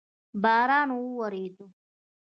باران اوورېدو؟